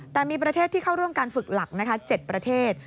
แต่มีประเทศที่เข้าร่วมการฝึกหลัก๗ประเทศ